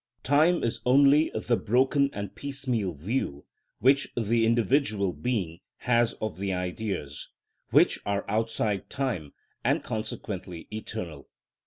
Time is only the broken and piecemeal view which the individual being has of the Ideas, which are outside time, and consequently eternal.